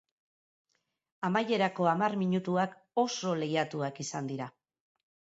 Amaierako hamar minutuak oso lehiatuak izan dira.